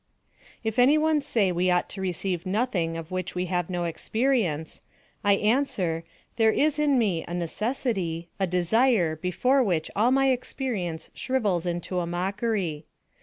If any one say we ought to receive nothing of which we have no experience; I answer, there is in me a necessity, a desire before which all my experience shrivels into a mockery.